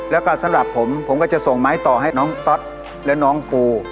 แล้วก็สำหรับผมผมก็จะส่งไม้ต่อให้น้องต๊อตและน้องปู